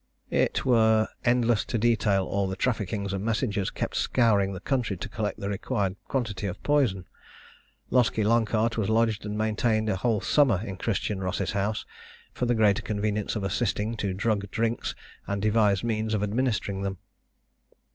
It were endless to detail all the traffickings and messengers kept scouring the country to collect the required quantity of poison. Loskie Loncart was lodged and maintained a whole summer in Christian Ross's house, for the greater convenience of assisting to drug drinks, and devise means of administering them.